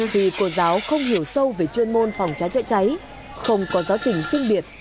vì cô giáo không hiểu sâu về chuyên môn phòng cháy cháy cháy không có giáo trình riêng biệt